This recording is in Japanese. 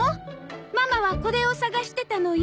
ママはこれを捜してたのよ。